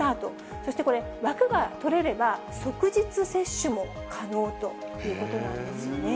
そしてこれ、枠が取れれば、即日接種も可能ということなんですよね。